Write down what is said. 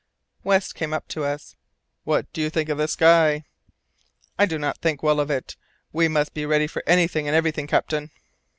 West came up to us. "What do you think of the sky?" "I do not think well of it. We must be ready for anything and everything, captain."